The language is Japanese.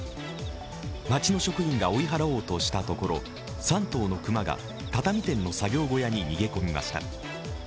町の職員が追い払おうとしたところ３頭の熊が畳店の作業小屋に逃げ込みました。